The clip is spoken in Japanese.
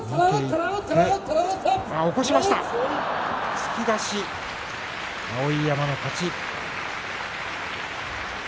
突き出し、碧山の勝ち。